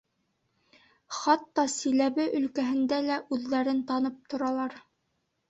Хатта Силәбе өлкәһендә лә үҙҙәрен танып торалар.